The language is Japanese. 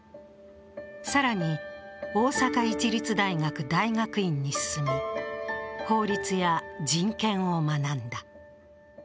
更に、大阪市立大学大学院に進み、法律や人権を学んだ。